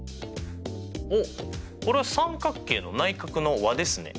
おっこれは三角形の内角の和ですね。